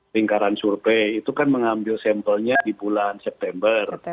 lingkaran survei itu kan mengambil sampelnya di bulan september